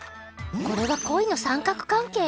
これは恋の三角関係！？